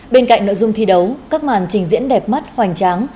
bên cạnh nội dung thi đấu các màn trình diễn đẹp mắt hoành tráng